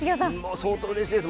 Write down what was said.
相当うれしいです。